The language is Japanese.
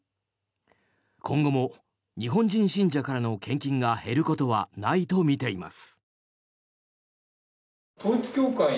今後も日本人信者からの献金が減ることはないとみています。